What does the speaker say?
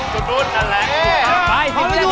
ชู้นะมีนเนยกฎู